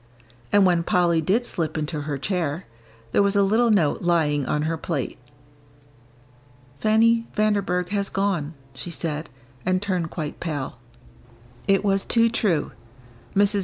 And when Polly did slip into her chair, there was a little note lying on her plate. "Fanny Vanderburgh has gone," she said, and turned quite pale. It was too true. Mrs.